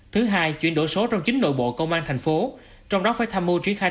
thứ hai chuyển đổi số trong chính nội bộ công an thành phố trong đó phải tham mưu triển khai